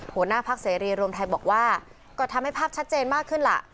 หัวหน้าพักเสรีรวมไทยบอกว่าก็ทำให้ภาพชัดเจนมากขึ้นล่ะ